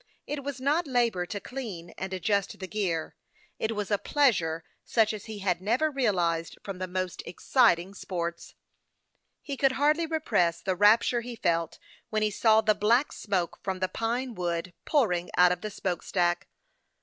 It was not labor to clean and adjust the gear ; it was a pleasure such as he had never realized from the most exciting sports. He could hardly repress the rapture he felt when he saw the black smoke from the pine wood pouring out of the smoke stack.